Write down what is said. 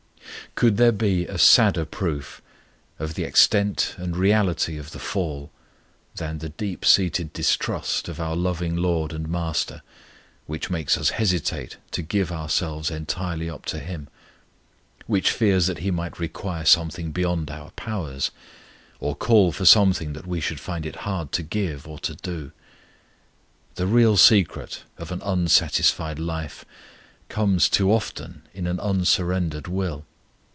Could there be a sadder proof of the extent and reality of the Fall than the deep seated distrust of our loving LORD and MASTER which makes us hesitate to give ourselves entirely up to Him, which fears that He might require something beyond our powers, or call for something that we should find it hard to give or to do? The real secret of an unsatisfied life lies too often in an unsurrendered will.